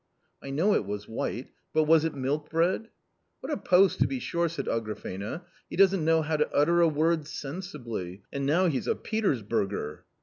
" I know it was white ; but was it milk bread ?"" What a post, to be sure !" said Agrafena, " he doesn't know how to utter a word sensibly ; and now he's a Peters burger